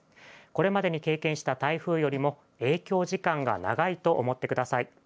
これまでに経験した台風よりも影響時間が長いと思ってください。